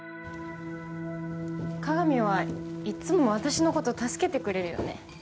加賀美はいっつも私の事助けてくれるよね。